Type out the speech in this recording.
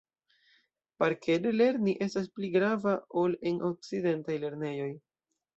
Parkere lerni estas pli grava ol en okcidentaj lernejoj.